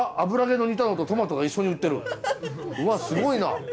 うわすごいな！